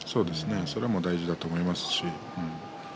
それは大事だと思います。